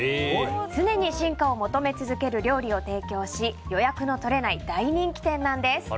常に進化を求め続ける料理を提供し予約の取れない大人気店なんです。